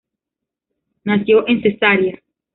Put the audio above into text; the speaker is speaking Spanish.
Nació en Cesarea.